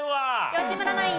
吉村ナイン